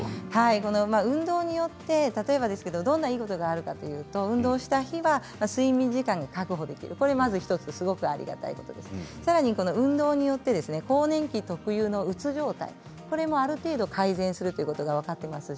運動によってどんないいことがあるかというと、運動をした日は睡眠時間が確保できるということさらに運動によって更年期特有のうつ状態も、ある程度改善することが分かっています。